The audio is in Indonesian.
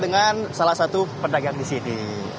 dengan salah satu pedagang di sini